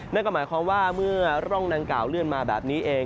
นั่นก็หมายความว่าเมื่อร่องดังกล่าวเลื่อนมาแบบนี้เอง